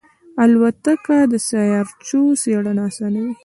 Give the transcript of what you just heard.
الوتکه د سیارچو څېړنه آسانوي.